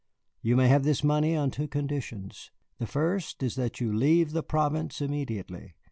You may have this money on two conditions. The first is that you leave the province immediately.